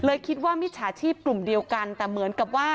คิดว่ามิจฉาชีพกลุ่มเดียวกันแต่เหมือนกับว่า